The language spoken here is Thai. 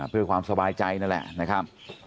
เพื่อความสบายใจนั่นแหละนะครับ